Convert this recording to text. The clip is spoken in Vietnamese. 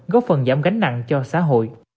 góp phần giảm gánh nặng cho xã hội